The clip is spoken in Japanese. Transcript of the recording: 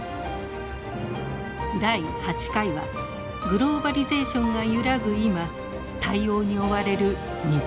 第８回はグローバリゼーションが揺らぐ今対応に追われる日本の姿です。